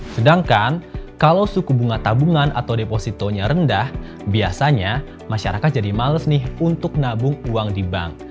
sedangkan kalau suku bunga tabungan atau depositonya rendah biasanya masyarakat jadi males nih untuk nabung uang di bank